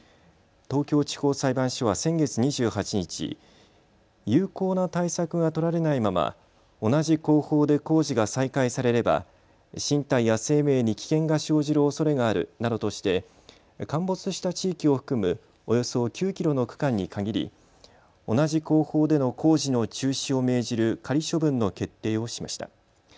東京地方裁判所は先月２８日、有効な対策が取られないまま同じ工法で工事が再開されれば身体や生命に危険が生じるおそれがあるなどとして陥没した地域を含むおよそ９キロの区間に限り同じ工法での工事の中止を命じる仮処分の決定をしました。